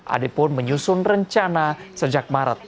ade pun menyusun rencana sejak maret